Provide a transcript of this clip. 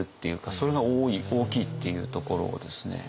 それが大きいっていうところをですね。